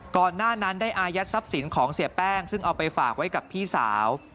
ก่อนหน้านั้นได้อายัดทรัพย์สินของเสียแป้งซึ่งเอาไปฝากไว้กับพี่สาว